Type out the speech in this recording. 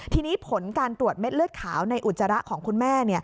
ทีนี้ผลการตรวจเม็ดเลือดขาวในอุจจาระของคุณแม่